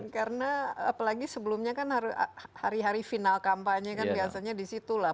karena apalagi sebelumnya kan hari hari final kampanye kan biasanya disitulah